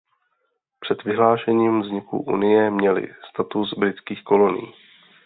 Před vyhlášením vzniku unie měly status britských kolonií.